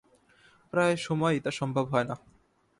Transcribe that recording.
প্রায় সময়ই তা সম্ভব হয় না।